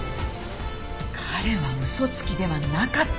彼は嘘つきではなかった。